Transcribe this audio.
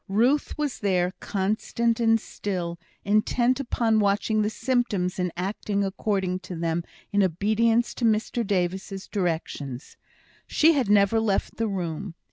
Ruth was there, constant and still, intent upon watching the symptoms, and acting according to them, in obedience to Mr Davis's directions. She had never left the room.